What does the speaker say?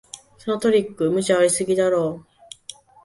そのトリック、無茶ありすぎだろ